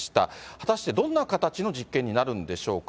果たしてどんな形の実験になるんでしょうか。